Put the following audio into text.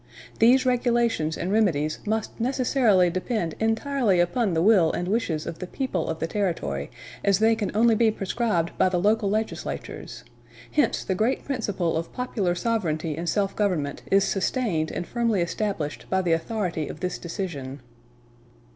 These regulations and remedies must necessarily depend entirely upon the will and wishes of the people of the Territory, as they can only be prescribed by the local legislatures. Hence, the great principle of popular sovereignty and self government is sustained and firmly established by the authority of this decision."